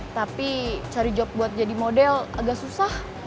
tapi cari job buat jadi model agak susah